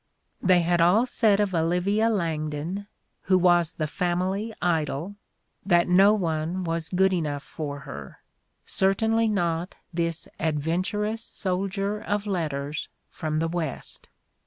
They had all said of Olivia Langdon, who was the "family idol," that "no one was good enough for her — certainly not this adven turous soldier of letters from the West."